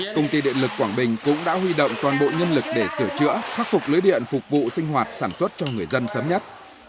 công ty điện lực quảng bình cũng đã huy động toàn bộ nhân lực để sửa chữa khắc phục lưới điện phục vụ sinh hoạt sản xuất cho người dân sớm nhất